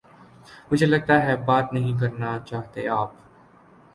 مجھے لگتا ہے بات نہیں کرنا چاہتے آپ